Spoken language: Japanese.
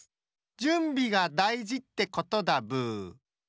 じゅんびがだいじってことだブー。